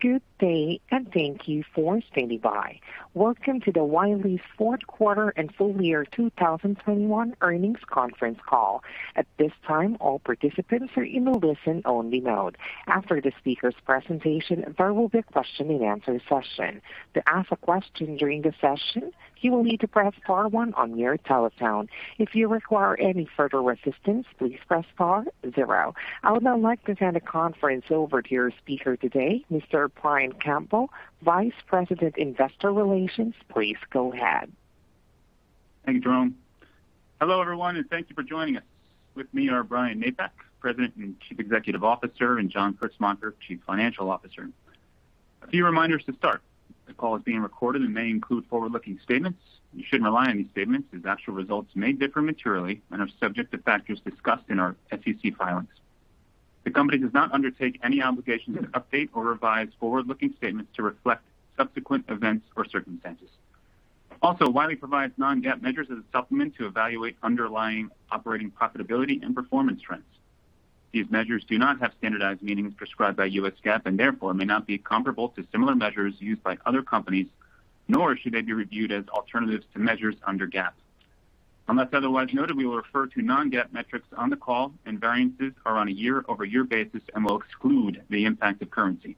Good day, thank you for standing by. Welcome to the Wiley's Fourth Quarter and Full Year 2021 Earnings Conference Call. At this time, all participants are in a listen-only mode. After the speaker's presentation, there will be a question-and-answer session. To ask a question during the session, you will need to press star one on your telephone. If you require any further assistance, please press star zero. I would now like to hand the conference over to your speaker today, Mr. Brian Campbell, Vice President, Investor Relations. Please go ahead. Thanks, Jerome. Hello, everyone, and thank you for joining us. With me are Brian Napack, President and Chief Executive Officer, and John Kritzmacher, Chief Financial Officer. A few reminders to start. This call is being recorded and may include forward-looking statements. You shouldn't rely on any statements, as actual results may differ materially and are subject to factors discussed in our SEC filings. The company does not undertake any obligation to update or revise forward-looking statements to reflect subsequent events or circumstances. Wiley provides non-GAAP measures as a supplement to evaluate underlying operating profitability and performance trends. These measures do not have standardized meanings prescribed by US GAAP and therefore may not be comparable to similar measures used by other companies, nor should they be reviewed as alternatives to measures under GAAP. Unless otherwise noted, we will refer to non-GAAP metrics on the call, and variances are on a year-over-year basis and will exclude the impact of currency.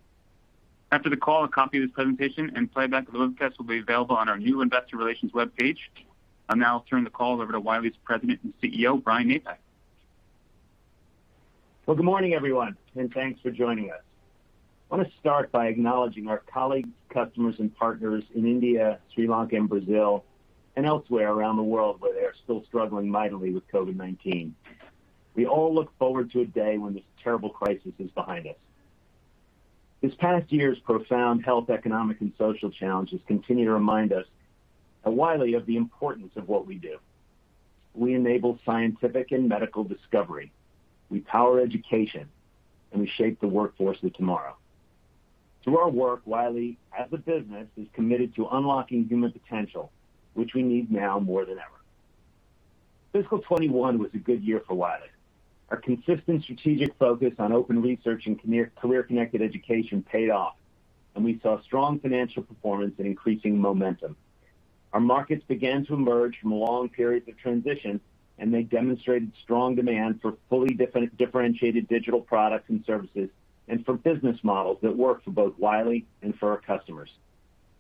After the call, a copy of the presentation and playback of the webcast will be available on our new investor relations webpage. I'll now turn the call over to Wiley's President and CEO, Brian Napack. Well, good morning, everyone, and thanks for joining us. I want to start by acknowledging our colleagues, customers, and partners in India, Sri Lanka, and Brazil, and elsewhere around the world where they are still struggling mightily with COVID-19. We all look forward to a day when this terrible crisis is behind us. This past year's profound health, economic, and social challenges continue to remind us at Wiley of the importance of what we do. We enable scientific and medical discovery. We power education, and we shape the workforce of tomorrow. Through our work, Wiley, as a business, is committed to unlocking human potential, which we need now more than ever. Fiscal 2021 was a good year for Wiley. Our consistent strategic focus on open research and career-connected education paid off, and we saw strong financial performance and increasing momentum. Our markets began to emerge from a long period of transition, and they demonstrated strong demand for fully differentiated digital products and services and for business models that work for both Wiley and for our customers.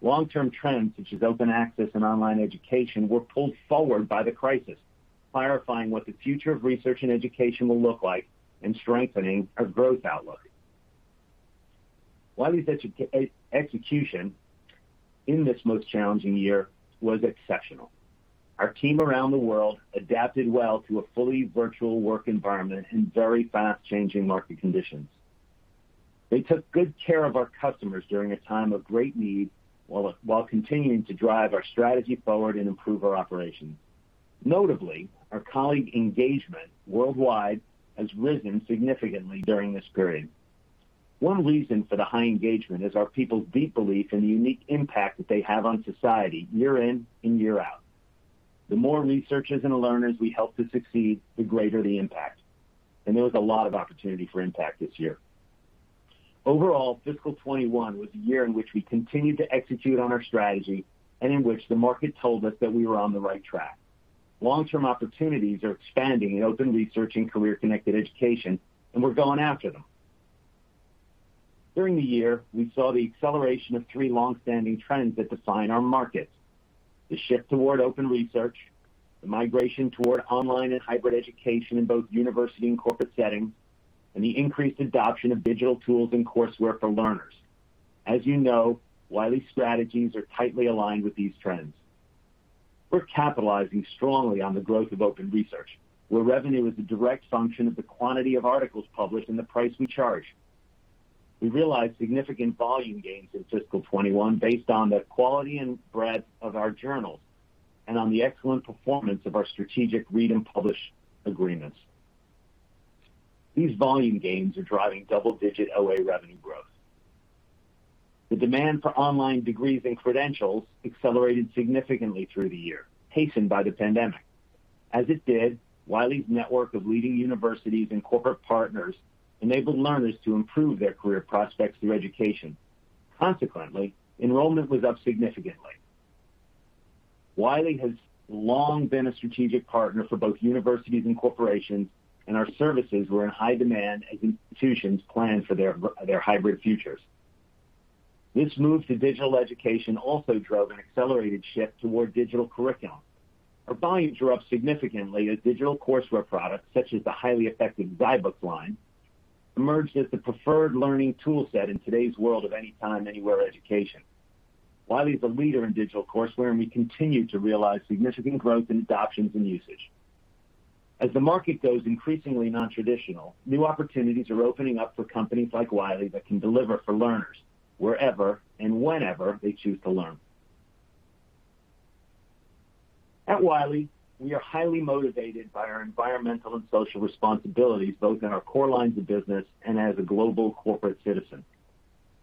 Long-term trends such as open access and online education were pulled forward by the crisis, clarifying what the future of research and education will look like and strengthening our growth outlook. Wiley's execution in this most challenging year was exceptional. Our team around the world adapted well to a fully virtual work environment and very fast-changing market conditions. They took good care of our customers during a time of great need while continuing to drive our strategy forward and improve our operations. Notably, our colleague engagement worldwide has risen significantly during this period. One reason for the high engagement is our people's deep belief in the unique impact that they have on society year in and year out. The more researchers and learners we help to succeed, the greater the impact. There was a lot of opportunity for impact this year. Overall, Fiscal 2021 was a year in which we continued to execute on our strategy and in which the market told us that we were on the right track. Long-term opportunities are expanding in open research and career-connected education. We're going after them. During the year, we saw the acceleration of three longstanding trends that define our markets. The shift toward open research, the migration toward online and hybrid education in both university and corporate settings, and the increased adoption of digital tools and coursework for learners. As you know, Wiley's strategies are tightly aligned with these trends. We're capitalizing strongly on the growth of open research, where revenue is a direct function of the quantity of articles published and the price we charge. We realized significant volume gains in Fiscal 2021 based on the quality and breadth of our journals and on the excellent performance of our Strategic Read and Publish agreements. These volume gains are driving double-digit OA revenue growth. The demand for online degrees and credentials accelerated significantly through the year, hastened by the pandemic. As it did, Wiley's network of leading universities and corporate partners enabled learners to improve their career prospects through education. Consequently, enrollment was up significantly. Wiley has long been a strategic partner for both universities and corporations, and our services were in high demand as institutions planned for their hybrid futures. This move to digital education also drove an accelerated shift toward digital curriculum. Our volumes are up significantly as digital coursework products, such as the highly effective Guidebook line, emerged as the preferred learning toolset in today's world of anytime, anywhere education. Wiley is a leader in digital coursework, and we continue to realize significant growth in adoptions and usage. As the market goes increasingly nontraditional, new opportunities are opening up for companies like Wiley that can deliver for learners wherever and whenever they choose to learn. At Wiley, we are highly motivated by our environmental and social responsibilities, both in our core lines of business and as a global corporate citizen.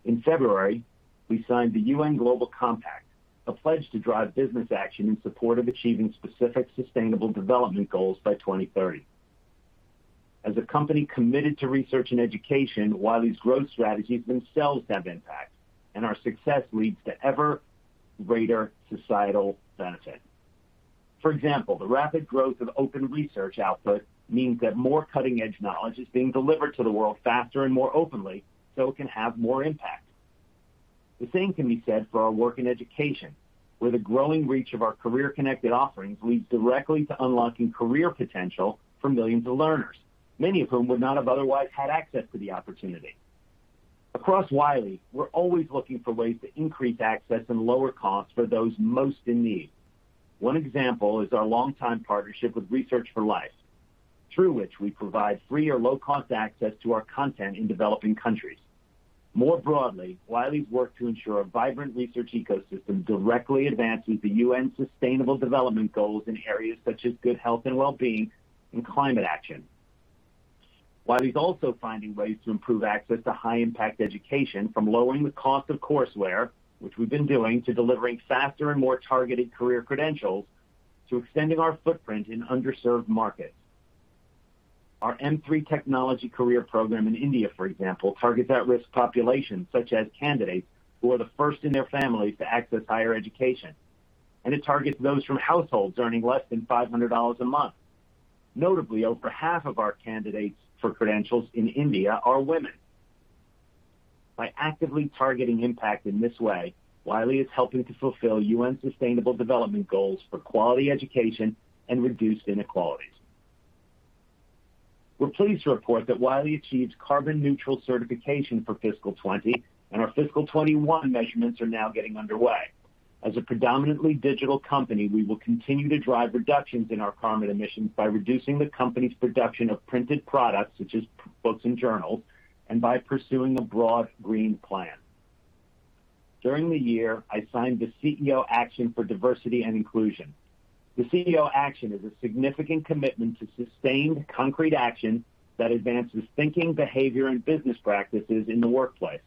In February, we signed the UN Global Compact, a pledge to drive business action in support of achieving specific Sustainable Development Goals by 2030. As a company committed to research and education, Wiley's growth strategies themselves have impact, and our success leads to ever greater societal benefit. For example, the rapid growth of open research output means that more cutting-edge knowledge is being delivered to the world faster and more openly so it can have more impact. The same can be said for our work in education, where the growing reach of our career-connected offerings leads directly to unlocking career potential for millions of learners, many of whom would not have otherwise had access to the opportunity. Across Wiley, we're always looking for ways to increase access and lower costs for those most in need. One example is our longtime partnership with Research4Life, through which we provide free or low-cost access to our content in developing countries. More broadly, Wiley's work to ensure a vibrant research ecosystem directly advances the UN Sustainable Development Goals in areas such as good health and wellbeing and climate action. Wiley's also finding ways to improve access to high-impact education, from lowering the cost of courseware, which we've been doing, to delivering faster and more targeted career credentials, to extending our footprint in underserved markets. Our mthree career program in India, for example, targets at-risk populations such as candidates who are the first in their families to access higher education, and it targets those from households earning less than $500 a month. Notably, over half of our candidates for credentials in India are women. By actively targeting impact in this way, Wiley is helping to fulfill UN Sustainable Development Goals for quality education and reduced inequalities. We're pleased to report that Wiley achieved carbon neutral certification for Fiscal 2020. Our Fiscal 2021 measurements are now getting underway. As a predominantly digital company, we will continue to drive reductions in our carbon emissions by reducing the company's production of printed products such as books and journals, and by pursuing a broad green plan. During the year, I signed the CEO Action for Diversity and Inclusion. The CEO Action is a significant commitment to sustained concrete action that advances thinking, behavior, and business practices in the workplace.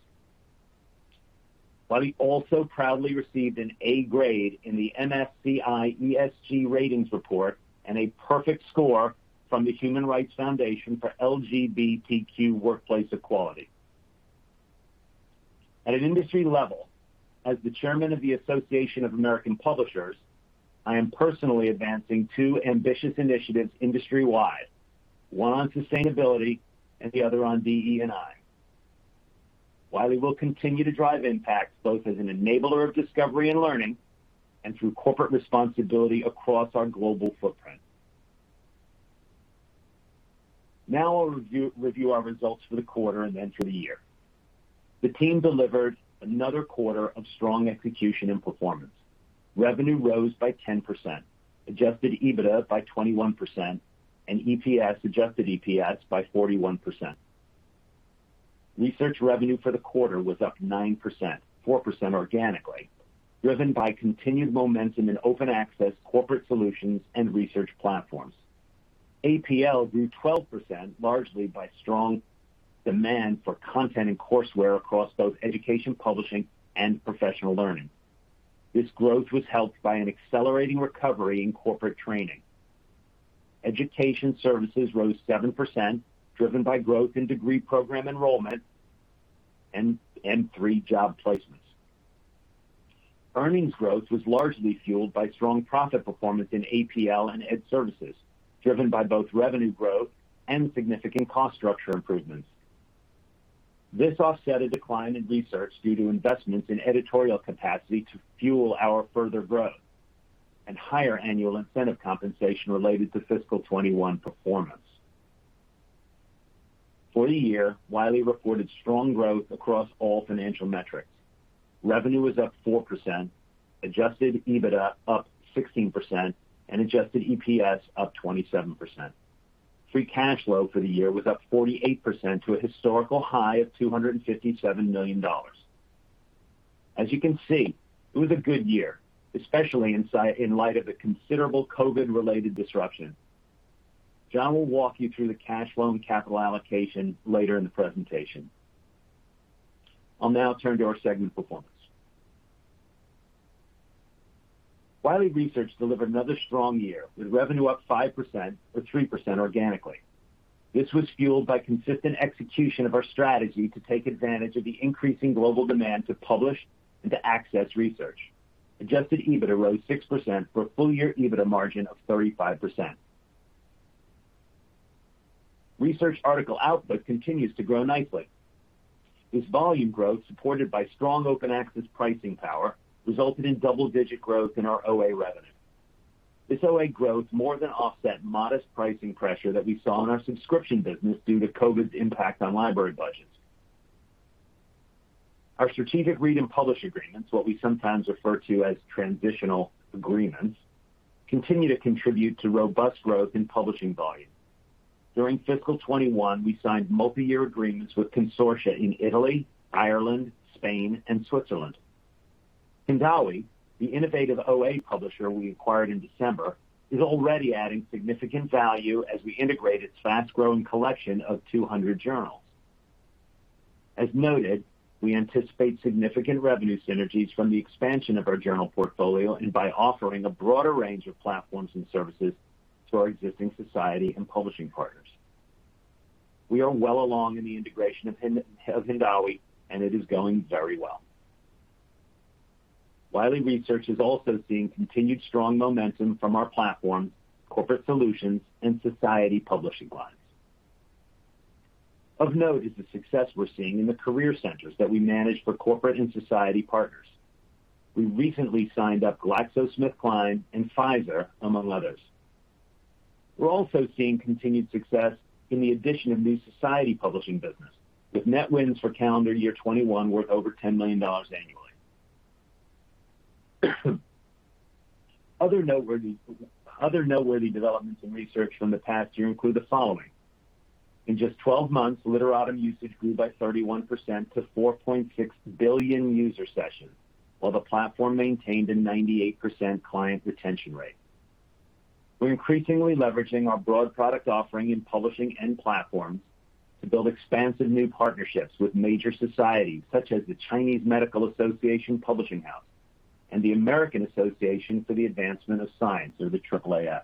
Wiley also proudly received an A grade in the MSCI ESG Ratings report and a perfect score from the Human Rights Campaign for LGBTQ workplace equality. At an industry level, as the chairman of the Association of American Publishers, I am personally advancing two ambitious initiatives industry-wide, one on sustainability and the other on DE&I. Wiley will continue to drive impact both as an enabler of discovery and learning and through corporate responsibility across our global footprint. I'll review our results for the quarter and then for the year. The team delivered another quarter of strong execution and performance. Revenue rose by 10%, adjusted EBITDA by 21%, and EPS, adjusted EPS by 41%. Research revenue for the quarter was up 9%, 4% organically, driven by continued momentum in open access, corporate solutions, and research platforms. APL grew 12%, largely by strong demand for content and courseware across both education publishing and professional learning. This growth was helped by an accelerating recovery in corporate training. Education Services rose 7%, driven by growth in degree program enrollment and mthree job placements. Earnings growth was largely fueled by strong profit performance in APL and Education Services, driven by both revenue growth and significant cost structure improvements. This offset a decline in research due to investments in editorial capacity to fuel our further growth and higher annual incentive compensation related to Fiscal 2021 performance. For the year, Wiley reported strong growth across all financial metrics. Revenue was up 4%, adjusted EBITDA up 16%, and adjusted EPS up 27%. Free cash flow for the year was up 48% to a historical high of $257 million. As you can see, it was a good year, especially in light of the considerable COVID-related disruption. John will walk you through the cash flow and capital allocation later in the presentation. I'll now turn to our segment performance. Wiley research delivered another strong year, with revenue up 5%, or 3% organically. This was fueled by consistent execution of our strategy to take advantage of the increasing global demand to publish and to access research. Adjusted EBITDA rose 6%, for a full-year EBITDA margin of 35%. Research article output continues to grow nicely. This volume growth, supported by strong open access pricing power, resulted in double-digit growth in our OA revenue. This OA growth more than offset modest pricing pressure that we saw in our subscription business due to COVID's impact on library budgets. Our strategic Read and Publish agreements, what we sometimes refer to as transitional agreements, continue to contribute to robust growth in publishing volume. During Fiscal 2021, we signed multi-year agreements with consortia in Italy, Ireland, Spain, and Switzerland. Hindawi, the innovative OA publisher we acquired in December, is already adding significant value as we integrate its fast-growing collection of 200 journals. As noted, we anticipate significant revenue synergies from the expansion of our journal portfolio and by offering a broader range of platforms and services to our existing society and publishing partners. We are well along in the integration of Hindawi, and it is going very well. Wiley research is also seeing continued strong momentum from our platform, corporate solutions, and society publishing lines. Of note is the success we're seeing in the career centers that we manage for corporate and society partners. We recently signed up GlaxoSmithKline and Pfizer, among others. We're also seeing continued success in the addition of new society publishing business, with net wins for calendar year 2021 worth over $10 million annually. Other noteworthy developments in research from the past year include the following. In just 12 months, Literatum usage grew by 31% to 4.6 billion user sessions, while the platform maintained a 98% client retention rate. We're increasingly leveraging our broad product offering in publishing end platforms to build expansive new partnerships with major societies, such as the Chinese Medical Association Publishing House and the American Association for the Advancement of Science, or the AAAS.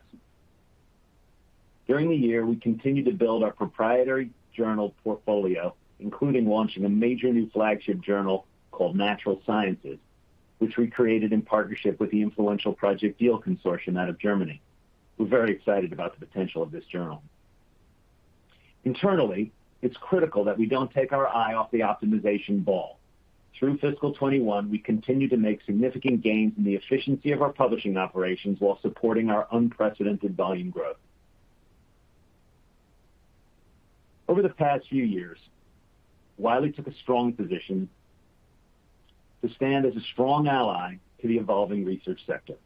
During the year, we continued to build our proprietary journal portfolio, including launching a major new flagship journal called "Natural Sciences," which we created in partnership with the influential Projekt DEAL consortium out of Germany. We're very excited about the potential of this journal. Internally, it's critical that we don't take our eye off the optimization ball. Through FY 2021, we continued to make significant gains in the efficiency of our publishing operations while supporting our unprecedented volume growth. Over the past few years, Wiley took a strong position to stand as a strong ally to the evolving research sector.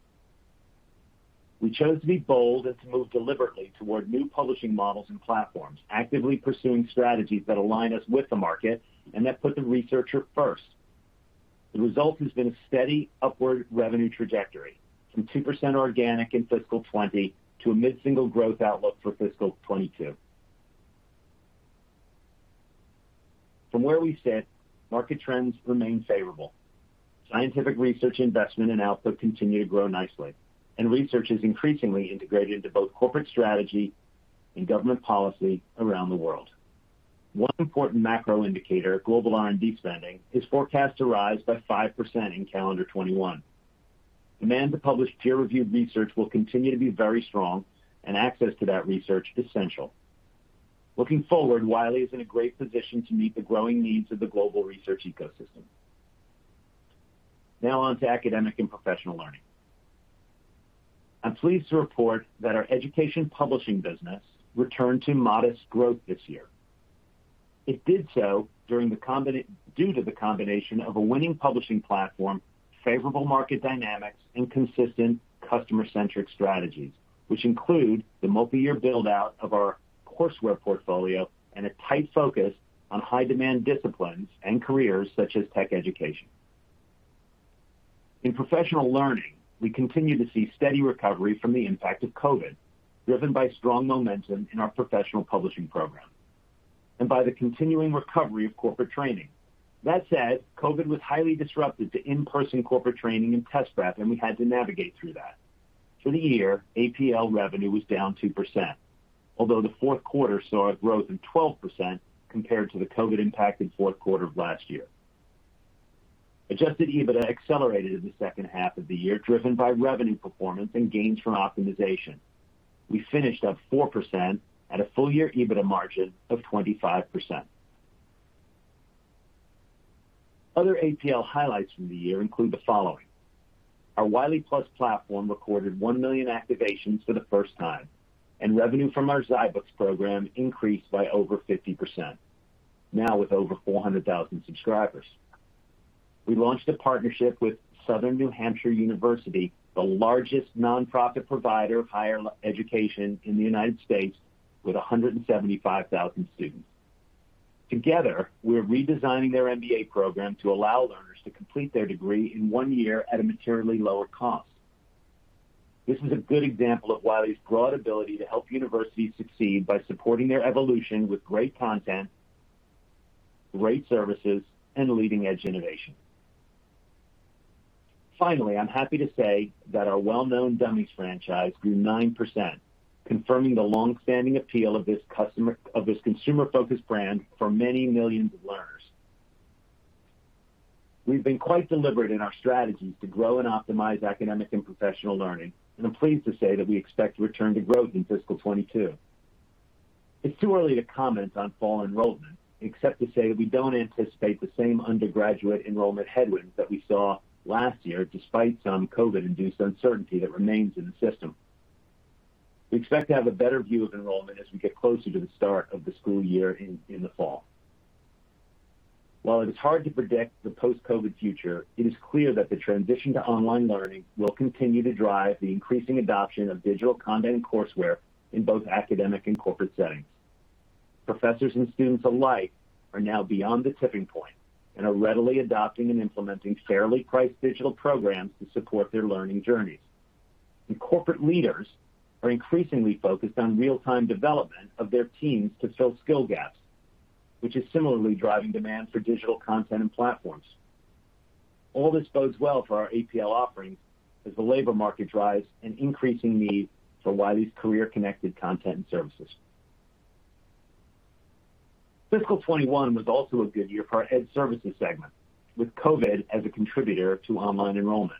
We chose to be bold and to move deliberately toward new publishing models and platforms, actively pursuing strategies that align us with the market and that put the researcher first. The result has been a steady upward revenue trajectory, from 2% organic in Fiscal 2020 to a mid-single growth outlook for Fiscal 2022. From where we sit, market trends remain favorable. Scientific research investment and output continue to grow nicely, and research is increasingly integrated into both corporate strategy and government policy around the world. One important macro indicator, global R&D spending, is forecast to rise by 5% in calendar 2021. Demand to publish peer-reviewed research will continue to be very strong, and access to that research, essential. Looking forward, Wiley is in a great position to meet the growing needs of the global research ecosystem. Now on to academic and professional learning. I'm pleased to report that our education publishing business returned to modest growth this year. It did so due to the combination of a winning publishing platform, favorable market dynamics, and consistent customer-centric strategies, which include the multi-year build-out of our courseware portfolio and a tight focus on high-demand disciplines and careers such as tech education. In professional learning, we continue to see steady recovery from the impact of COVID, driven by strong momentum in our professional publishing program and by the continuing recovery of corporate training. That said, COVID was highly disruptive to in-person corporate training and test prep, and we had to navigate through that. For the year, APL revenue was down 2%, although the fourth quarter saw a growth of 12% compared to the COVID-impacted fourth quarter of last year. Adjusted EBITDA accelerated in the second half of the year, driven by revenue performance and gains from optimization. We finished up 4% at a full-year EBITDA margin of 25%. Other APL highlights from the year include the following. Our WileyPLUS platform recorded 1 million activations for the first time, and revenue from our zyBooks program increased by over 50%, now with over 400,000 subscribers. We launched a partnership with Southern New Hampshire University, the largest nonprofit provider of higher education in the United States, with 175,000 students. Together, we're redesigning their MBA program to allow learners to complete their degree in one year at a materially lower cost. This is a good example of Wiley's broad ability to help universities succeed by supporting their evolution with great content, great services, and leading-edge innovation. Finally, I'm happy to say that our well-known Dummies franchise grew 9%, confirming the longstanding appeal of this consumer-focused brand for many millions of learners. We've been quite deliberate in our strategies to grow and optimize academic and professional learning, and I'm pleased to say that we expect to return to growth in Fiscal 2022. It's too early to comment on fall enrollment, except to say that we don't anticipate the same undergraduate enrollment headwinds that we saw last year, despite some COVID-induced uncertainty that remains in the system. We expect to have a better view of enrollment as we get closer to the start of the school year in the fall. While it is hard to predict the post-COVID future, it is clear that the transition to online learning will continue to drive the increasing adoption of digital content and courseware in both academic and corporate settings. Professors and students alike are now beyond the tipping point and are readily adopting and implementing fairly priced digital programs to support their learning journeys. Corporate leaders are increasingly focused on real-time development of their teams to fill skill gaps, which is similarly driving demand for digital content and platforms. All this bodes well for our APL offerings as the labor market drives an increasing need for Wiley's career-connected content and services. Fiscal 2021 was also a good year for our Education Services segment, with COVID as a contributor to online enrollment.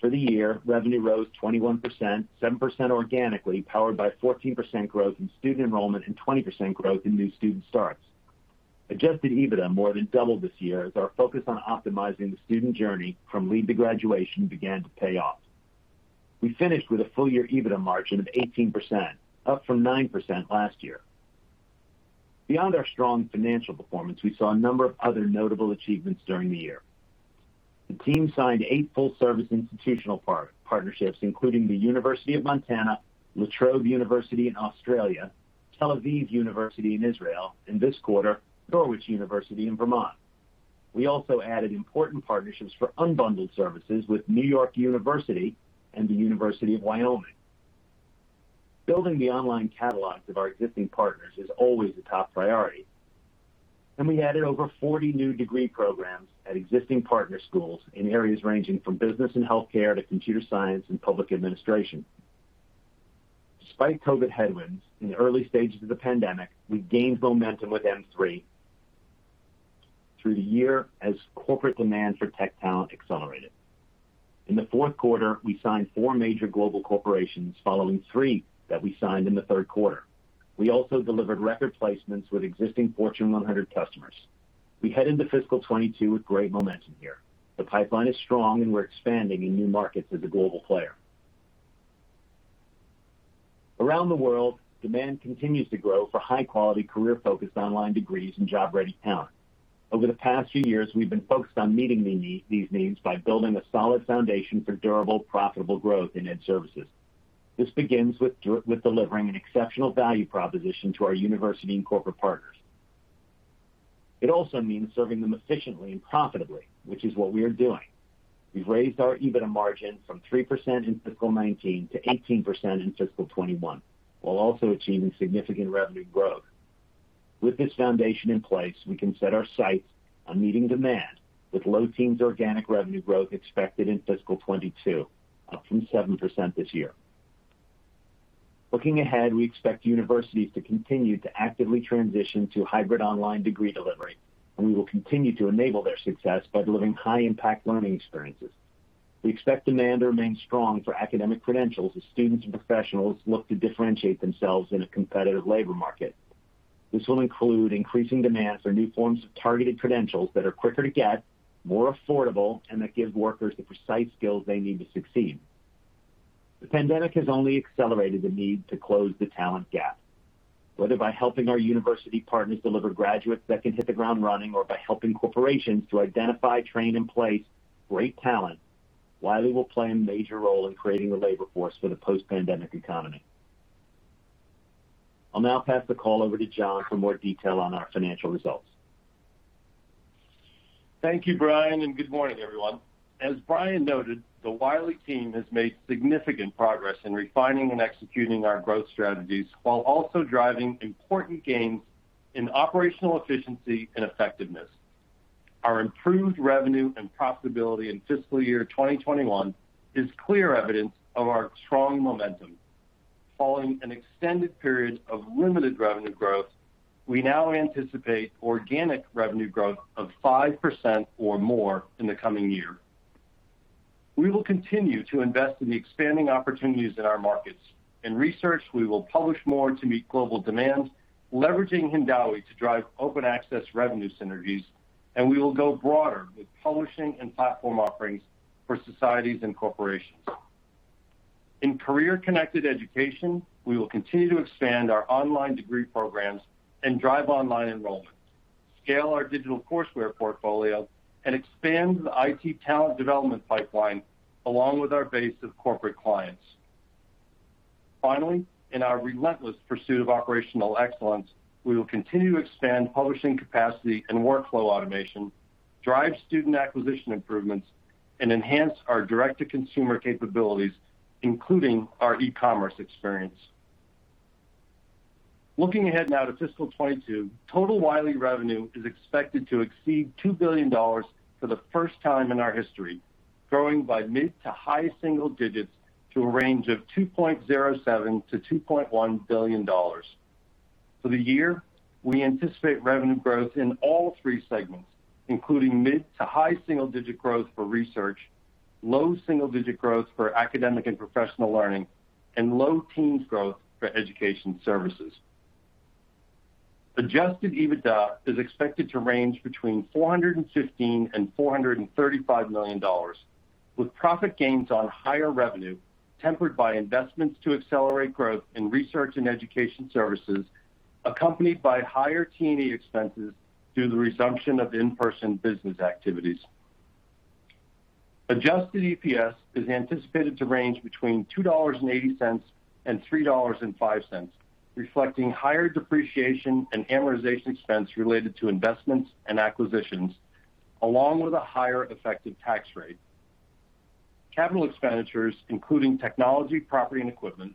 For the year, revenue rose 21%, 7% organically, powered by 14% growth in student enrollment and 20% growth in new student starts. Adjusted EBITDA more than doubled this year as our focus on optimizing the student journey from lead to graduation began to pay off. We finished with a full-year EBITDA margin of 18%, up from 9% last year. Beyond our strong financial performance, we saw a number of other notable achievements during the year. The team signed eight full-service institutional partnerships, including the University of Montana, La Trobe University in Australia, Tel Aviv University in Israel, and this quarter, Norwich University in Vermont. We also added important partnerships for unbundled services with New York University and the University of Wyoming. Building the online catalogs of our existing partners is always a top priority, and we added over 40 new degree programs at existing partner schools in areas ranging from business and healthcare to computer science and public administration. Despite COVID headwinds in the early stages of the pandemic, we gained momentum with mthree through the year as corporate demand for tech talent accelerated. In the fourth quarter, we signed four major global corporations following three that we signed in the third quarter. We also delivered record placements with existing Fortune 100 customers. We head into Fiscal 2022 with great momentum here. The pipeline is strong, and we're expanding in new markets as a global player. Around the world, demand continues to grow for high-quality, career-focused online degrees and job-ready talent. Over the past few years, we've been focused on meeting these needs by building a solid foundation for durable, profitable growth in Ed Services. This begins with delivering an exceptional value proposition to our university and corporate partners. It also means serving them efficiently and profitably, which is what we are doing. We've raised our EBITDA margin from 3% in Fiscal 2019 to 18% in Fiscal 2021, while also achieving significant revenue growth. With this foundation in place, we can set our sights on meeting demand with low teens organic revenue growth expected in Fiscal 2022, up from 7% this year. Looking ahead, we expect universities to continue to actively transition to hybrid online degree delivery, and we will continue to enable their success by delivering high-impact learning experiences. We expect demand to remain strong for academic credentials as students and professionals look to differentiate themselves in a competitive labor market. This will include increasing demands for new forms of targeted credentials that are quicker to get, more affordable, and that give workers the precise skills they need to succeed. The pandemic has only accelerated the need to close the talent gap. Whether by helping our university partners deliver graduates that can hit the ground running or by helping corporations to identify, train, and place great talent, Wiley will play a major role in creating the labor force for the post-pandemic economy. I'll now pass the call over to John for more detail on our financial results. Thank you, Brian, and good morning, everyone. As Brian noted, the Wiley team has made significant progress in refining and executing our growth strategies while also driving important gains in operational efficiency and effectiveness. Our improved revenue and profitability in Fiscal year 2021 is clear evidence of our strong momentum. Following an extended period of limited revenue growth, we now anticipate organic revenue growth of 5% or more in the coming year. We will continue to invest in the expanding opportunities in our markets. In research, we will publish more to meet global demand, leveraging Hindawi to drive open access revenue synergies, and we will go broader with publishing and platform offerings for societies and corporations. In career-connected education, we will continue to expand our online degree programs and drive online enrollment, scale our digital courseware portfolio, and expand the IT talent development pipeline along with our base of corporate clients. Finally, in our relentless pursuit of operational excellence, we will continue to expand publishing capacity and workflow automation, drive student acquisition improvements, and enhance our direct-to-consumer capabilities, including our e-commerce experience. Looking ahead now to Fiscal 2022, total Wiley revenue is expected to exceed $2 billion for the first time in our history, growing by mid to high single digits to a range of $2.07 billion-$2.1 billion. For the year, we anticipate revenue growth in all three segments, including mid to high single-digit growth for research, low single-digit growth for Academic and Professional Learning, and low teens growth for Education Services. Adjusted EBITDA is expected to range between $415 million and $435 million, with profit gains on higher revenue tempered by investments to accelerate growth in Research and Education Services, accompanied by higher T&E expenses due to the resumption of in-person business activities. Adjusted EPS is anticipated to range between $2.80 and $3.05, reflecting higher depreciation and amortization expense related to investments and acquisitions along with a higher effective tax rate. Capital expenditures, including technology, property, and equipment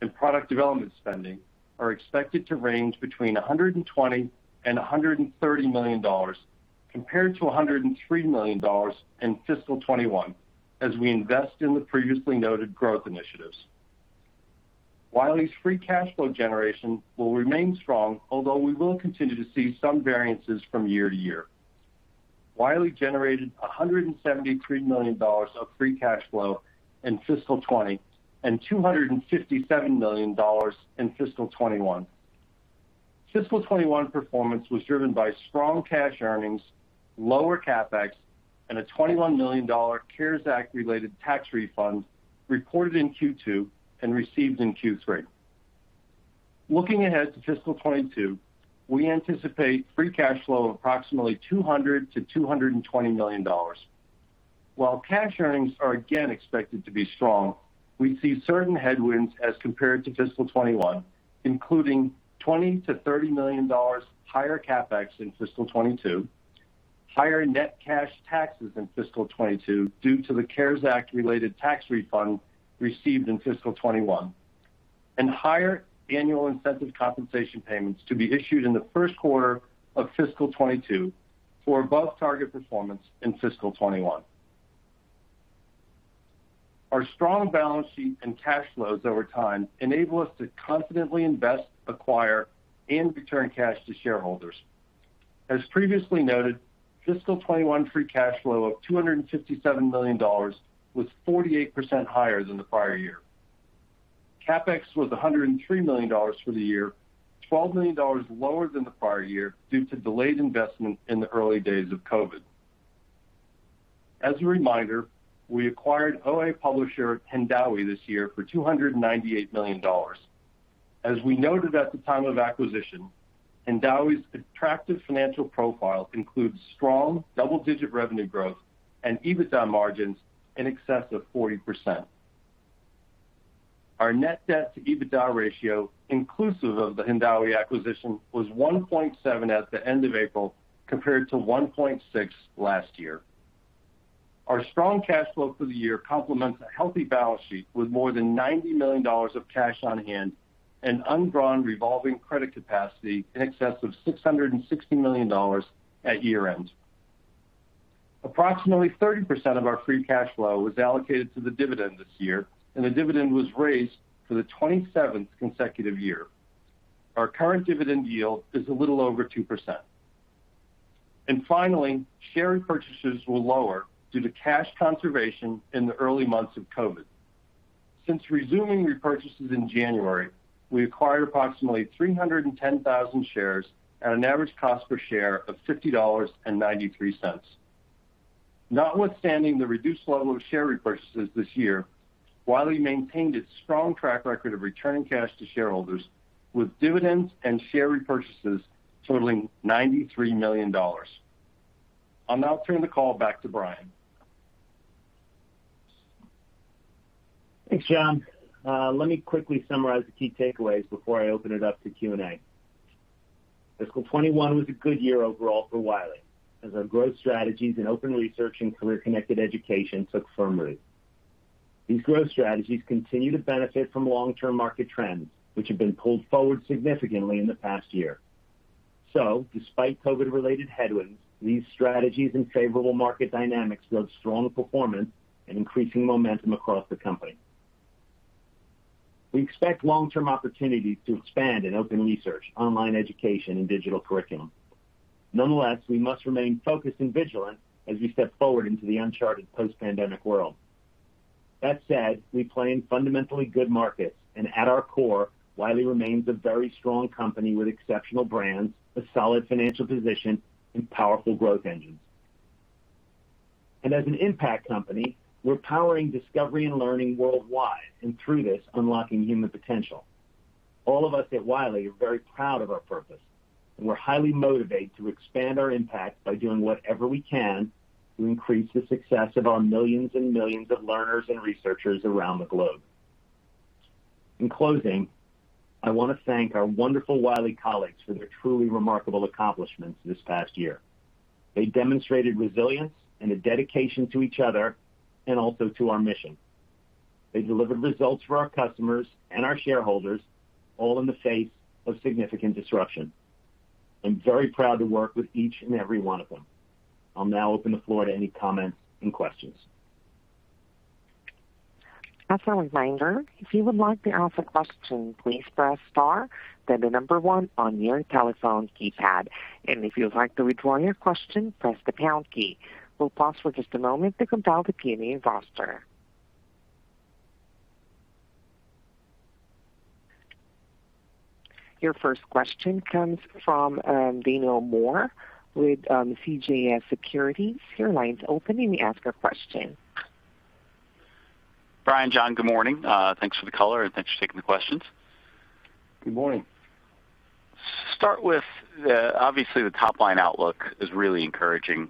and product development spending, are expected to range between $120 million and $130 million, compared to $103 million in Fiscal 2021, as we invest in the previously noted growth initiatives. Wiley's free cash flow generation will remain strong, although we will continue to see some variances from year to year. Wiley generated $173 million of free cash flow in Fiscal 2020 and $257 million in Fiscal 2021. Fiscal 2021 performance was driven by strong cash earnings, lower CapEx, and a $21 million CARES Act-related tax refund reported in Q2 and received in Q3. Looking ahead to Fiscal 2022, we anticipate free cash flow of approximately $200 million-$220 million. While cash earnings are again expected to be strong, we see certain headwinds as compared to Fiscal 2021, including $20 million-$30 million higher CapEx in Fiscal 2022, higher net cash taxes in Fiscal 2022 due to the CARES Act-related tax refund received in Fiscal 2021, and higher annual incentive compensation payments to be issued in the first quarter of Fiscal 2022 for above-target performance in Fiscal 2021. Our strong balance sheet and cash flows over time enable us to confidently invest, acquire, and return cash to shareholders. As previously noted, Fiscal 2021 free cash flow of $257 million was 48% higher than the prior year. CapEx was $103 million for the year, $12 million lower than the prior year due to delayed investment in the early days of COVID. As a reminder, we acquired OA publisher Hindawi this year for $298 million. As we noted at the time of acquisition, Hindawi's attractive financial profile includes strong double-digit revenue growth and EBITDA margins in excess of 40%. Our net debt to EBITDA ratio, inclusive of the Hindawi acquisition, was 1.7 at the end of April, compared to 1.6 last year. Our strong cash flow for the year complements a healthy balance sheet with more than $90 million of cash on hand and undrawn revolving credit capacity in excess of $660 million at year-end. Approximately 30% of our free cash flow was allocated to the dividend this year, and the dividend was raised for the 27th consecutive year. Our current dividend yield is a little over 2%. Finally, share repurchases were lower due to cash conservation in the early months of COVID. Since resuming repurchases in January, we acquired approximately 310,000 shares at an average cost per share of $50.93. Notwithstanding the reduced level of share repurchases this year, Wiley maintained its strong track record of returning cash to shareholders with dividends and share repurchases totaling $93 million. I'll now turn the call back to Brian. Thanks, John. Let me quickly summarize the key takeaways before I open it up to Q&A. Fiscal 2021 was a good year overall for Wiley, as our growth strategies in open research and career-connected education took firm root. These growth strategies continue to benefit from long-term market trends, which have been pulled forward significantly in the past year. Despite COVID-related headwinds, these strategies and favorable market dynamics drove stronger performance and increasing momentum across the company. We expect long-term opportunities to expand in open research, online education, and digital curriculum. Nonetheless, we must remain focused and vigilant as we step forward into the uncharted post-pandemic world. That said, we play in fundamentally good markets, and at our core, Wiley remains a very strong company with exceptional brands, a solid financial position, and powerful growth engines. As an impact company, we're powering discovery and learning worldwide, and through this, unlocking human potential. All of us at Wiley are very proud of our purpose, and we're highly motivated to expand our impact by doing whatever we can to increase the success of our millions and millions of learners and researchers around the globe. In closing, I want to thank our wonderful Wiley colleagues for their truly remarkable accomplishments this past year. They demonstrated resilience and a dedication to each other and also to our mission. They delivered results for our customers and our shareholders, all in the face of significant disruption. I'm very proud to work with each and every one of them. I'll now open the floor to any comments and questions. As a reminder, if you would like to ask a question, please press star, then the number one on your telephone keypad. And if you would like to withdraw your question, press the pound key. We'll pause for just a moment to compile the Q&A roster. Your first question comes from Daniel Moore with CJS Securities. Your line's open. You may ask your question. Brian, John, good morning. Thanks for the color, and thanks for taking the questions. Good morning. Start with, obviously, the top-line outlook is really encouraging,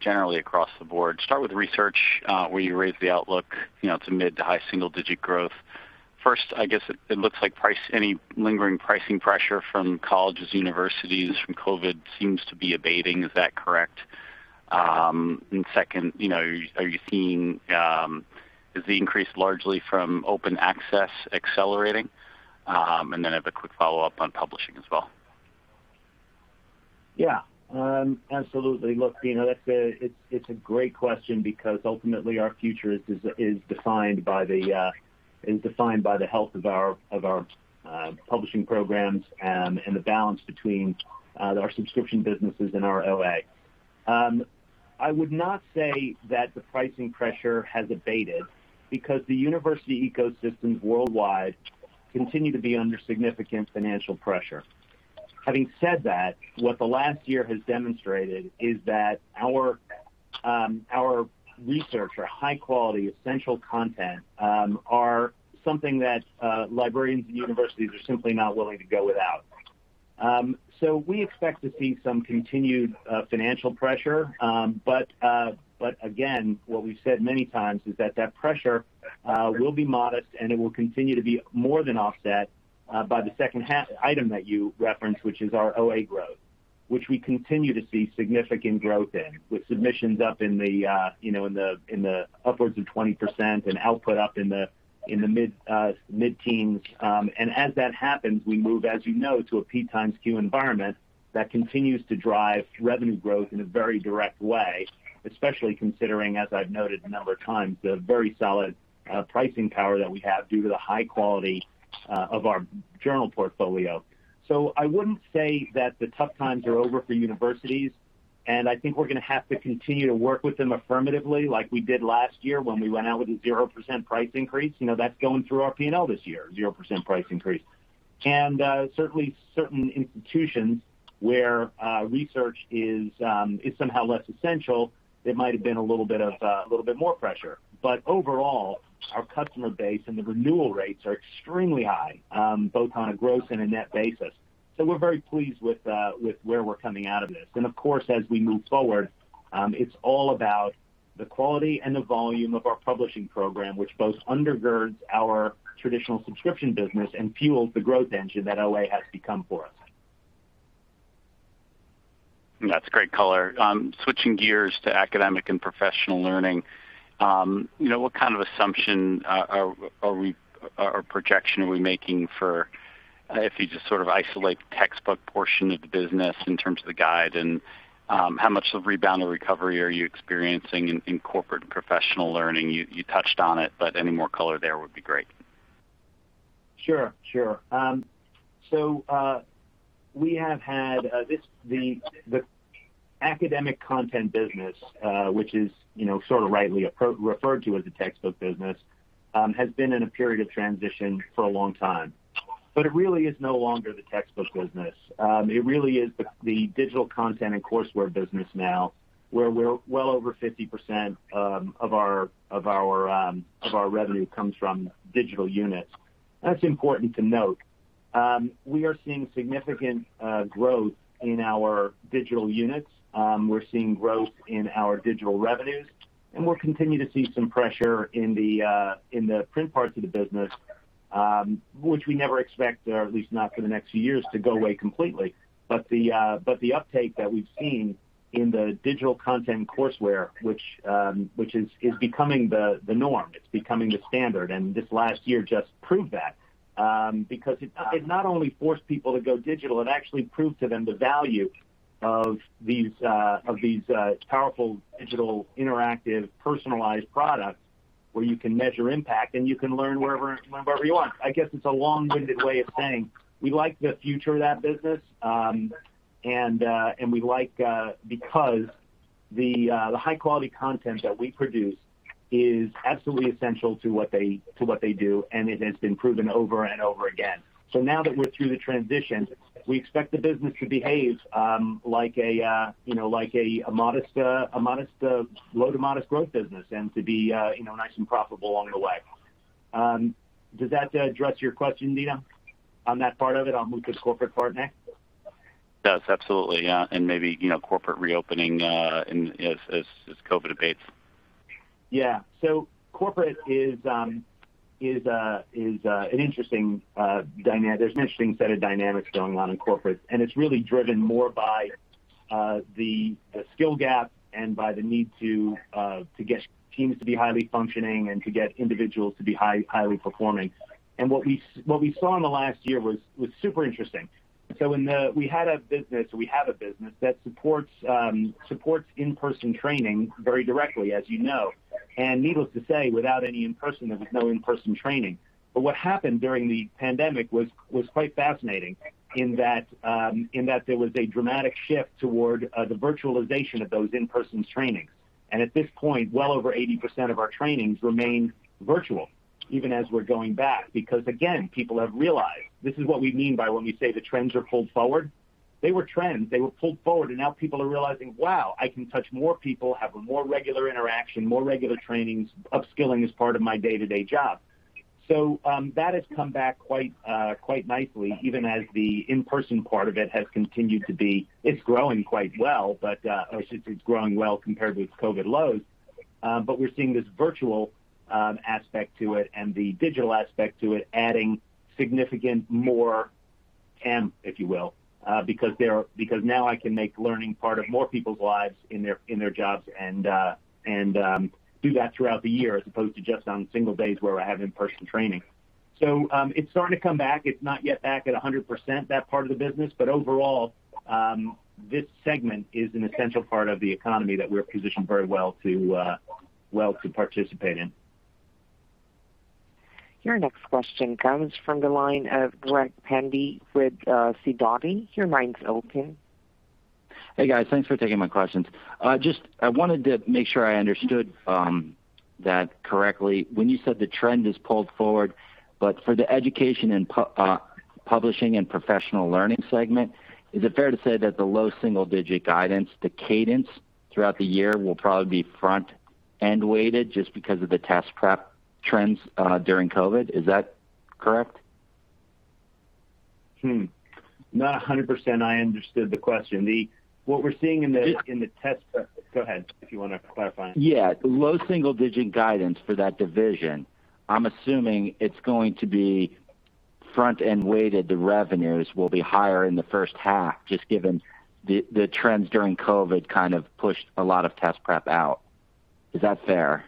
generally across the board. Start with research, where you raised the outlook to mid to high single-digit growth. I guess it looks like any lingering pricing pressure from colleges, universities from COVID seems to be abating. Is that correct? Second, are you seeing the increase largely from open access accelerating? I have a quick follow-up on publishing as well. Look, [Daniel], it's a great question because ultimately our future is defined by the health of our publishing programs and the balance between our subscription businesses and our OA. I would not say that the pricing pressure has abated, because the university ecosystems worldwide continue to be under significant financial pressure. Having said that, what the last year has demonstrated is that our research, our high-quality, essential content, are something that librarians and universities are simply not willing to go without. We expect to see some continued financial pressure. Again, what we've said many times is that pressure will be modest, and it will continue to be more than offset by the second item that you referenced, which is our OA growth, which we continue to see significant growth in with submissions up in the upwards of 20% and output up in the mid-teens. As that happens, we move, as you know, to a P x Q environment that continues to drive revenue growth in a very direct way, especially considering, as I've noted a number of times, the very solid pricing power that we have due to the high quality of our journal portfolio. I wouldn't say that the tough times are over for universities, and I think we're going to have to continue to work with them affirmatively like we did last year when we went out with a 0% price increase. That's going through our P&L this year, 0% price increase. Certainly, certain institutions where research is somehow less essential, it might've been a little bit more pressure. Overall, our customer base and the renewal rates are extremely high, both on a gross and a net basis. We're very pleased with where we're coming out of this. Of course, as we move forward, it's all about the quality and the volume of our publishing program, which both undergirds our traditional subscription business and fuels the growth engine that OA has become for us. That's great color. Switching gears to academic and professional learning. What kind of assumption or projection are we making for if you just sort of isolate the textbook portion of the business in terms of the guide, how much of rebound or recovery are you experiencing in corporate and professional learning? You touched on it, any more color there would be great. Sure. We have had the academic content business, which is rightly referred to as a textbook business, has been in a period of transition for a long time. It really is no longer the textbook business. It really is the digital content and courseware business now, where well over 50% of our revenue comes from digital units. That's important to note. We are seeing significant growth in our digital units. We're seeing growth in our digital revenues, and we'll continue to see some pressure in the print parts of the business, which we never expect, or at least not for the next few years, to go away completely. The uptake that we've seen in the digital content courseware, which is becoming the norm. It's becoming the standard. This last year just proved that. It not only forced people to go digital, it actually proved to them the value of these powerful digital, interactive, personalized products where you can measure impact, and you can learn wherever you want. I guess it's a long-winded way of saying we like the future of that business. The high-quality content that we produce is absolutely essential to what they do, and it has been proven over and over again. Now that we're through the transition, we expect the business to behave like a low to modest growth business and to be nice and profitable along the way. Does that address your question, [Daniel], on that part of it? I'll move to corporate part next. Yes, absolutely. Yeah. Maybe corporate reopening as COVID abates. Corporate is an interesting dynamic. There's an interesting set of dynamics going on in corporate, and it's really driven more by the skill gap and by the need to get teams to be highly functioning and to get individuals to be highly performing. What we saw in the last year was super interesting. We have a business that supports in-person training very directly, as you know. Needless to say, without any in-person, there was no in-person training. What happened during the pandemic was quite fascinating in that there was a dramatic shift toward the virtualization of those in-person trainings. At this point, well over 80% of our trainings remain virtual, even as we're going back. Again, people have realized this is what we mean by when we say the trends are pulled forward. They were trends. They were pulled forward. Now people are realizing, wow, I can touch more people, have a more regular interaction, more regular trainings. Upskilling is part of my day-to-day job. That has come back quite nicely even as the in-person part of it has continued to be. It's growing quite well, or I should say it's growing well compared with COVID lows. We're seeing this virtual aspect to it and the digital aspect to it adding significant more amp, if you will, because now I can make learning part of more people's lives in their jobs and do that throughout the year as opposed to just on single days where I have in-person training. It's starting to come back. It's not yet back at 100%, that part of the business. Overall, this segment is an essential part of the economy that we're positioned very well to participate in. Your next question comes from the line of Greg Pendy with Sidoti. Your line's open. Hey, guys. Thanks for taking my questions. Just, I wanted to make sure I understood that correctly. When you said the trend is pulled forward, but for the education and publishing and professional learning segment, is it fair to say that the low single-digit guidance, the cadence throughout the year will probably be front-end weighted just because of the test prep trends during COVID? Is that correct? Not 100% I understood the question. Go ahead, if you want to clarify. Yeah. Low single-digit guidance for that division, I'm assuming it's going to be front-end weighted. The revenues will be higher in the first half, just given the trends during COVID kind of pushed a lot of test prep out. Is that fair?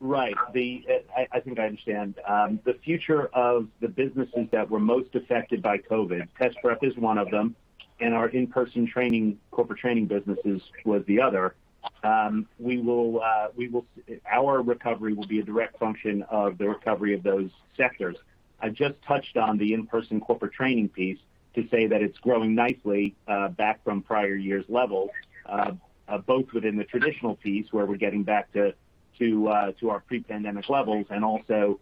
Right. I think I understand. The future of the businesses that were most affected by COVID, test prep is one of them, and our in-person corporate training businesses was the other. Our recovery will be a direct function of the recovery of those sectors. I just touched on the in-person corporate training piece to say that it's growing nicely back from prior years levels, both within the traditional piece, where we're getting back to our pre-pandemic levels, and also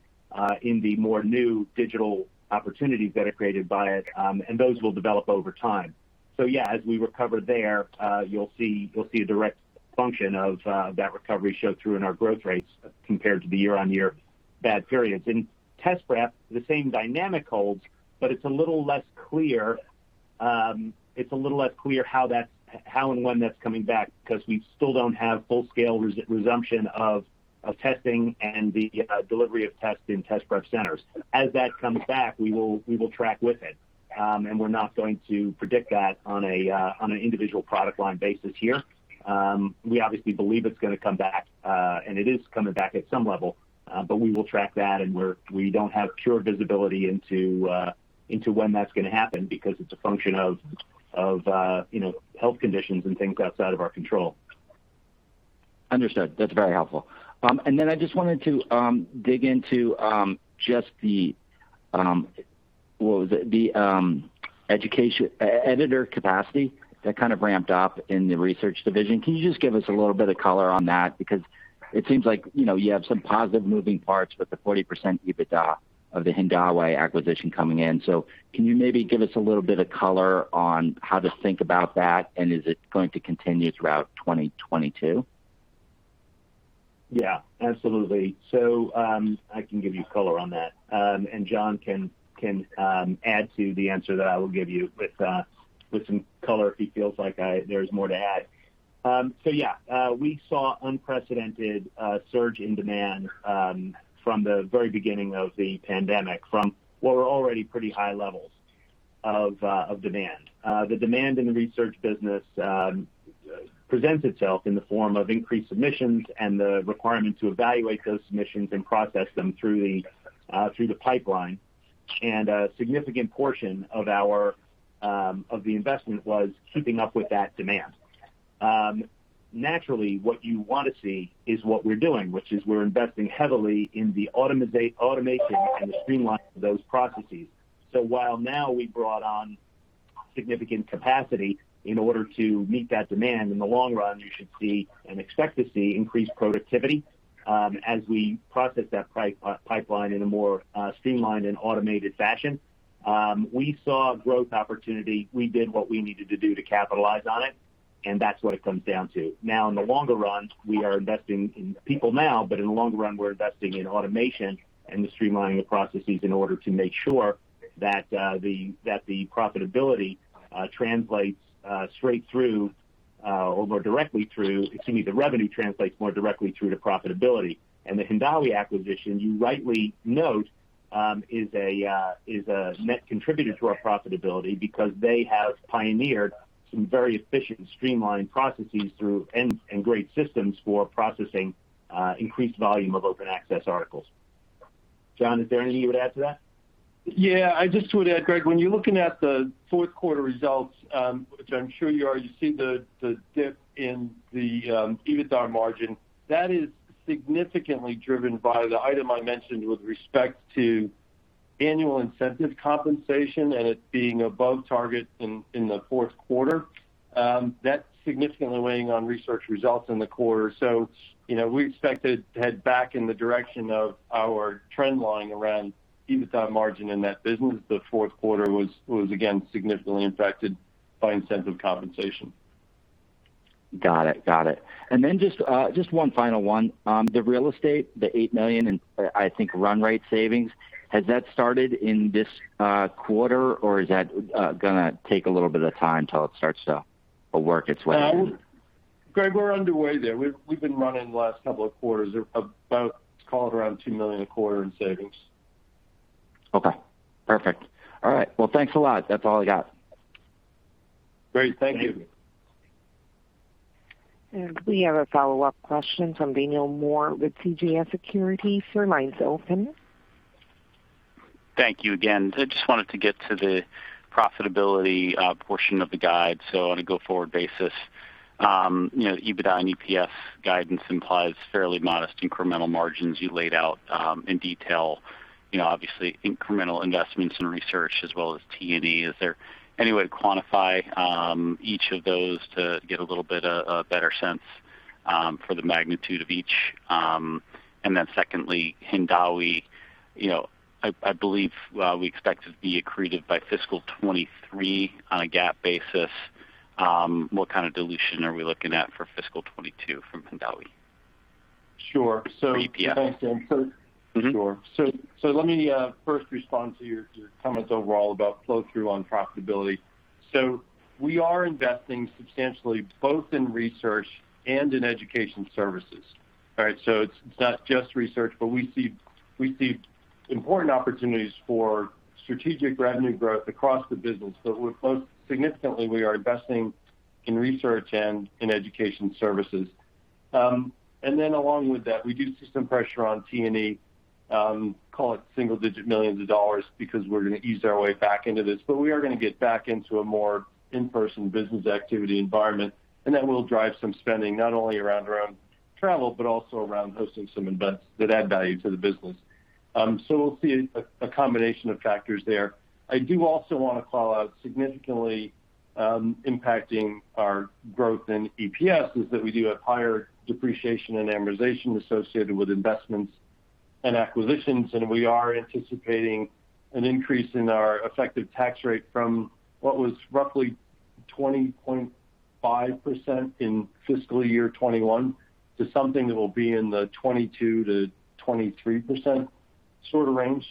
in the more new digital opportunities that are created by it, and those will develop over time. Yeah, as we recover there, you'll see a direct function of that recovery show through in our growth rates compared to the year-on-year bad periods. In test prep, the same dynamic holds, but it's a little less clear how and when that's coming back because we still don't have full-scale resumption of testing and the delivery of tests in test prep centers. As that comes back, we will track with it, and we're not going to predict that on an individual product line basis here. We obviously believe it's going to come back, and it is coming back at some level. We will track that, and we don't have pure visibility into when that's going to happen because it's a function of health conditions and things outside of our control. Understood. That's very helpful. Then I just wanted to dig into just the editor capacity that kind of ramped up in the research division. Can you just give us a little bit of color on that? Because it seems like you have some positive moving parts with the 40% EBITDA of the Hindawi acquisition coming in. Can you maybe give us a little bit of color on how to think about that, and is it going to continue throughout 2022? Yeah, absolutely. I can give you color on that. John can add to the answer that I will give you with some color if he feels like there's more to add. Yeah. We saw unprecedented surge in demand from the very beginning of the pandemic from what were already pretty high levels of demand. The demand in the research business presents itself in the form of increased submissions and the requirement to evaluate those submissions and process them through the pipeline. A significant portion of the investment was keeping up with that demand. Naturally, what you want to see is what we're doing, which is we're investing heavily in the automation and the streamlining of those processes. While now we brought on significant capacity in order to meet that demand, in the long run, you should see and expect to see increased productivity as we process that pipeline in a more streamlined and automated fashion. We saw growth opportunity. We did what we needed to do to capitalize on it, and that's what it comes down to. In the longer run, we are investing in people now, but in the long run, we're investing in automation and the streamlining of processes in order to make sure that the profitability translates straight through, or more directly through. Excuse me. The revenue translates more directly through to profitability. The Hindawi acquisition, you rightly note, is a net contributor to our profitability because they have pioneered some very efficient streamlined processes through end and great systems for processing increased volume of open access articles. John, is there anything you would add to that? Yeah. I just would add, Greg, when you are looking at the fourth quarter results, which I am sure you are, you see the dip in the EBITDA margin. That is significantly driven by the item I mentioned with respect to annual incentive compensation and it being above target in the fourth quarter. That is significantly weighing on research results in the quarter. We expect to head back in the direction of our trend line around EBITDA margin in that business. The fourth quarter was, again, significantly impacted by incentive compensation. Got it. Just one final one. The real estate, the $8 million in, I think, run rate savings, has that started in this quarter, or is that going to take a little bit of time till it starts to work its way through? Greg, we're underway there. We've been running the last couple of quarters, about call it around $2 million a quarter in savings. Okay, perfect. All right. Thanks a lot. That's all I got. Great. Thank you. We have a follow-up question from Daniel Moore with CJS Securities. Your line's open. Thank you again. I just wanted to get to the profitability portion of the guide. On a go-forward basis, EBITDA and EPS guidance implies fairly modest incremental margins you laid out in detail, obviously incremental investments in research as well as T&E. Is there any way to quantify each of those to get a little bit of a better sense for the magnitude of each? Secondly, Hindawi, I believe we expect it to be accretive by Fiscal 2023 on a GAAP basis. What kind of dilution are we looking at for Fiscal 2022 from Hindawi? Sure. Or EPS. Mm-hmm. Sure. Let me first respond to your comments overall about flow-through on profitability. We are investing substantially both in research and in Education Services. Right? It's not just research, but we see important opportunities for strategic revenue growth across the business. Most significantly, we are investing in research and in Education Services. Along with that, we do see some pressure on T&E, call it single-digit millions of dollars, because we're going to ease our way back into this. We are going to get back into a more in-person business activity environment, and that will drive some spending not only around travel, but also around hosting some events that add value to the business. We'll see a combination of factors there. I do also want to call out significantly impacting our growth in EPS is that we do have higher depreciation and amortization associated with investments and acquisitions, and we are anticipating an increase in our effective tax rate from what was roughly 20.5% in fiscal year 2021 to something that will be in the 22%-23% sort of range.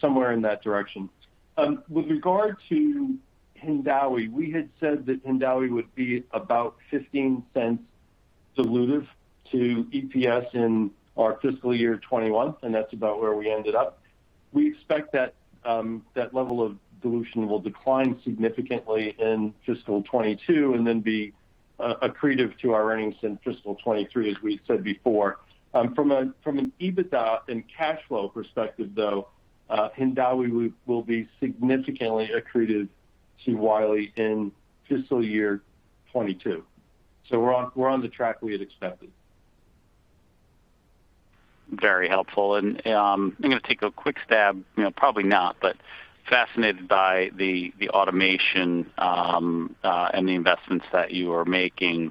Somewhere in that direction. With regard to Hindawi, we had said that Hindawi would be about $0.15 dilutive to EPS in our fiscal year 2021, and that's about where we ended up. We expect that level of dilution will decline significantly in Fiscal 2022 and then be accretive to our earnings in Fiscal 2023, as we said before. From an EBITDA and cash flow perspective, though, Hindawi will be significantly accretive to Wiley in fiscal year 2022. We're on the track we had expected. Very helpful. I'm going to take a quick stab, probably not, but fascinated by the automation and the investments that you are making.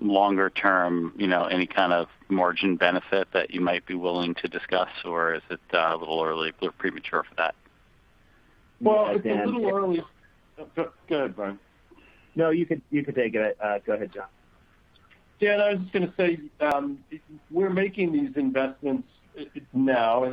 Longer term, any kind of margin benefit that you might be willing to discuss, or is it a little early? We're pretty sure of that. Well, it's a little early. Go ahead, Brian. No, you can take it. Go ahead, John. Dan, I was going to say, we're making these investments now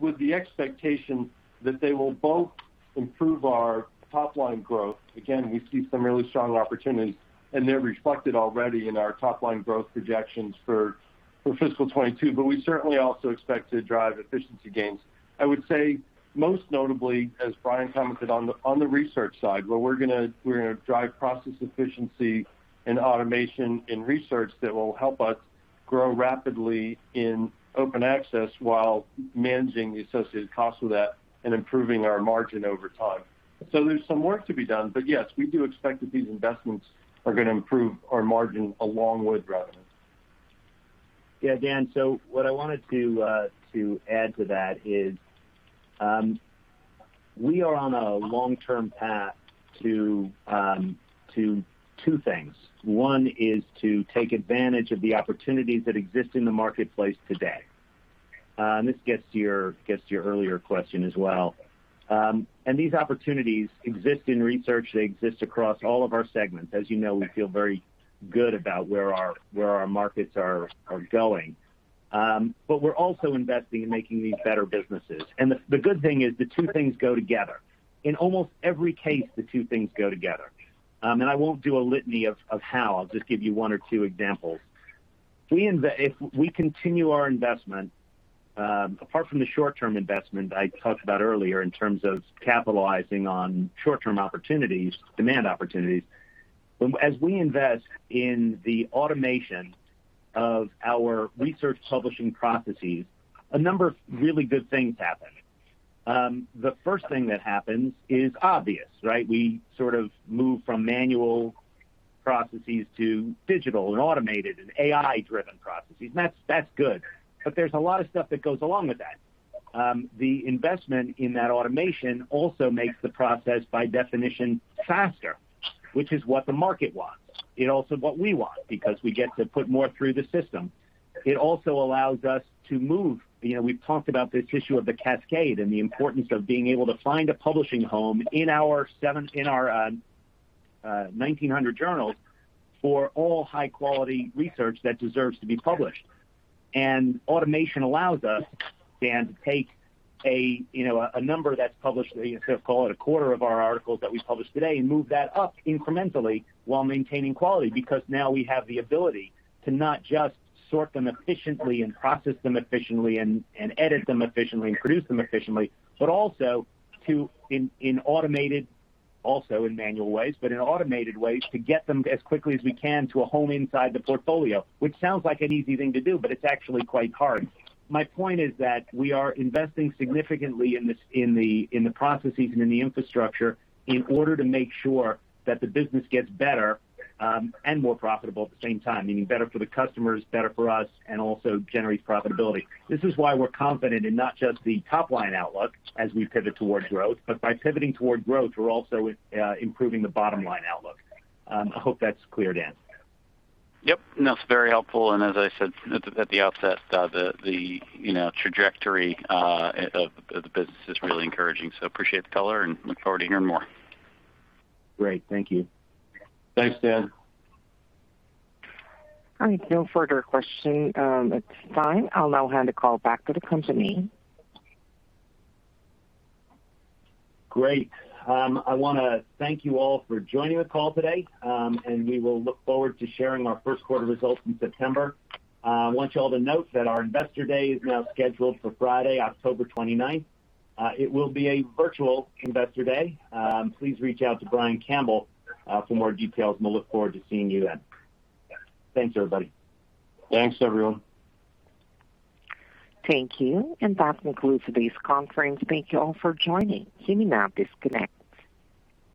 with the expectation that they will both improve our top-line growth. We see some really strong opportunities, and they're reflected already in our top-line growth projections for Fiscal 2022. We certainly also expect to drive efficiency gains. I would say most notably, as Brian commented on the research side, where we're going to drive process efficiency and automation in research that will help us grow rapidly in open access while managing the associated cost of that and improving our margin over time. There's some work to be done, but yes, we do expect that these investments are going to improve our margin along with revenue. Yeah, Dan, what I wanted to add to that is we are on a long-term path to two things. One is to take advantage of the opportunities that exist in the marketplace today. This gets to your earlier question as well. These opportunities exist in research, they exist across all of our segments. As you know, we feel very good about where our markets are going. We're also investing in making these better businesses. The good thing is the two things go together. In almost every case, the two things go together. I won't do a litany of how, I'll just give you one or two examples. If we continue our investment, apart from the short-term investment I talked about earlier in terms of capitalizing on short-term opportunities, demand opportunities, as we invest in the automation of our research publishing processes, a number of really good things happen. The first thing that happens is obvious, right? We sort of move from manual processes to digital and automated and AI-driven processes. That's good. There's a lot of stuff that goes along with that. The investment in that automation also makes the process by definition faster, which is what the market wants. It's also what we want because we get to put more through the system. It also allows us to move. We've talked about this issue of the cascade and the importance of being able to find a publishing home in our 1,900 journals for all high-quality research that deserves to be published. Automation allows us, Dan, to take a number that's published, let's call it a quarter of our articles that we publish today, and move that up incrementally while maintaining quality. Now we have the ability to not just sort them efficiently and process them efficiently and edit them efficiently and produce them efficiently, but also to, in automated, also in manual ways, but in automated ways, to get them as quickly as we can to a home inside the portfolio. Which sounds like an easy thing to do, but it's actually quite hard. My point is that we are investing significantly in the processes and in the infrastructure in order to make sure that the business gets better and more profitable at the same time. Meaning better for the customers, better for us, and also generates profitability. This is why we're confident in not just the top-line outlook as we pivot towards growth, but by pivoting toward growth, we're also improving the bottom-line outlook. I hope that's clear, Dan. Yep. No, it's very helpful. As I said at the outset, the trajectory of the business is really encouraging. Appreciate the color and look forward to hearing more. Great. Thank you. Thanks, Dan. If there are no further questions at this time, I'll now hand the call back to the company. Great. I want to thank you all for joining the call today. We will look forward to sharing our first quarter results in September. I want you all to note that our Investor Day is now scheduled for Friday, October 29th. It will be a virtual Investor Day. Please reach out to Brian Campbell for more details. We look forward to seeing you then. Thanks, everybody. Thanks, everyone. Thank you. That concludes today's conference. Thank you all for joining. You may now disconnect.